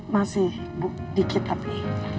masih bu dikit tapi